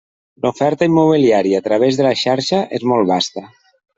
L'oferta immobiliària a través de la xarxa és molt vasta.